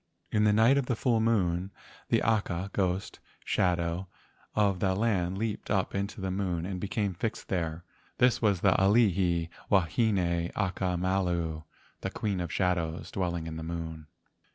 In the night of the full moon, the aka (ghost) shadow of that land leaped up into the moon and became fixed there. This was the Alii wahine aka malu (the queen of shadows), dwelling in the moon.